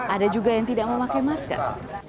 ada juga yang tidak memakai masker